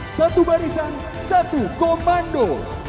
satu barisan satu komando